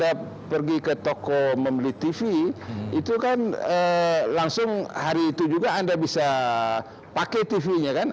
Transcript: kalau pergi ke toko membeli tv itu kan langsung hari itu juga anda bisa pakai tv nya kan